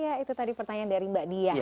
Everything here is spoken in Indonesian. iya itu tadi pertanyaan dari mbak diya